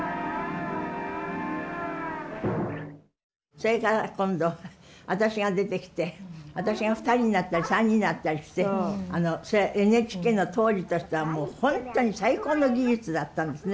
それから今度私が出てきて私が２人になったり３人になったりしてそれはＮＨＫの当時としては本当に最高の技術だったんですね。